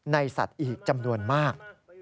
สัตว์อีกจำนวนมาก